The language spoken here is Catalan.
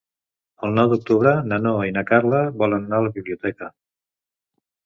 El nou d'octubre na Noa i na Carla volen anar a la biblioteca.